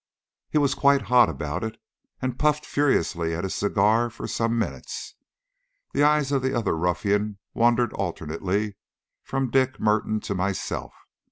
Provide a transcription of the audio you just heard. He was quite hot about it, and puffed furiously at his cigar for some minutes. The eyes of the other ruffian wandered alternately from Dick Merton to myself.